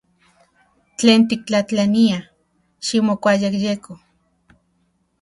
Tlen tiktlajtlania, ximokuayejyeko.